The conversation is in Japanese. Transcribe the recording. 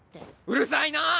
うるさいな！